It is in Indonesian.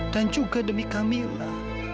dan juga demi kamila